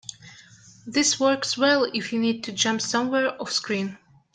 This works well if you need to jump somewhere offscreen.